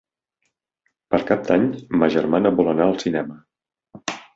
Per Cap d'Any ma germana vol anar al cinema.